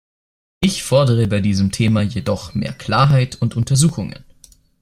Ich fordere bei diesem Thema jedoch mehr Klarheit und Untersuchungen.